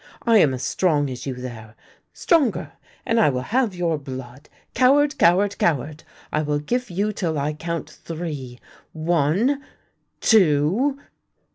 I am as strong as you there — stronger, and I will have your blood. Coward! Coward! Coward! I will give you till I count three. One! ... Two!